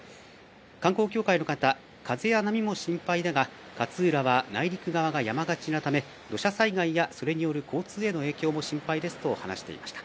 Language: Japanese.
観光協会の方、風や波も心配だが勝浦は内陸側が山がちなため土砂災害やそれによる交通への影響も心配ですと話していました。